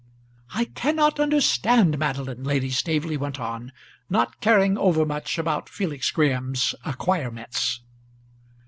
"I cannot understand Madeline," Lady Staveley went on, not caring overmuch about Felix Graham's acquirements.